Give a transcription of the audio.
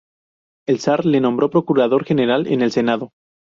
El zar le nombró procurador general en el Senado.